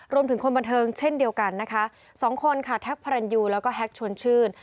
รวมถึงคนบันเทิงเช่นเดียวกันนะคะสองคนค่ะแท็กพระรันยูแล้วก็แฮกชวนชื่น